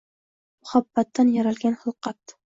Muhabbatdan yaralgan xilqat!”